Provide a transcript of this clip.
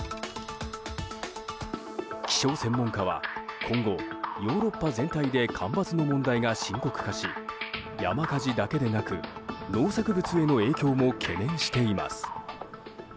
気象専門家は、今後ヨーロッパ全体で干ばつの問題が深刻化し山火事だけでなく農作物への影響も懸念しています。